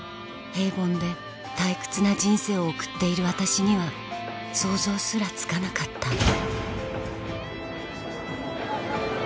平凡で退屈な人生を送っている私には想像すらつかなかった